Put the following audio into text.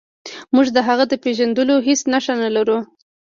موږ د هغه د پیژندلو هیڅ نښه نلرو.